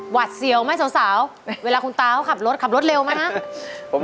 พอม่ายเกิน๘๐